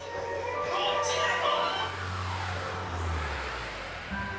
どっちなの！